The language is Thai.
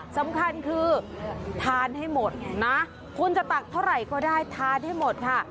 สำคัญคือทานให้หมดนะคุณจะตักเท่าไหร่ก็ได้ทานให้หมดค่ะ